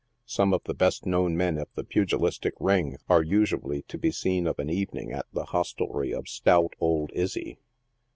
Some of the best known men of the pugilistic ring are usually to be seen of an evening at the hostelrie of stout old Izzv.